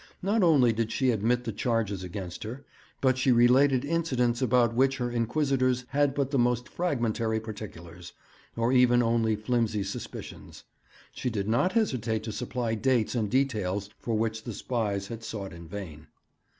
Not only did she admit the charges against her, but she related incidents about which her inquisitors had but the most fragmentary particulars, or even only flimsy suspicions. She did not hesitate to supply dates and details for which the spies had sought in vain.